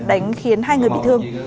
đánh khiến hai người bị thương